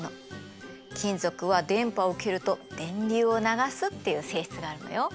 金属は電波を受けると電流を流すっていう性質があるのよ。